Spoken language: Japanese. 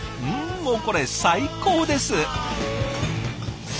もうこれ最高です。